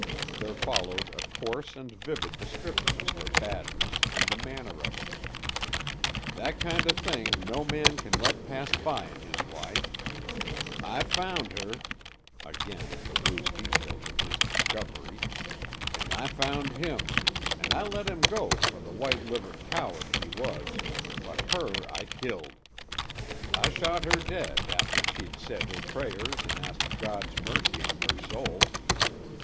There followed a coarse and vivid description of her badness and the manner of it. "That kinder thing no man can let pass by in his wife. I found her" again the rude details of his discovery "an' I found him, an' I let him go fer the white livered coward he was, but her I killed. I shot her dead after she'd said her prayers an' asked God's mercy on her soul.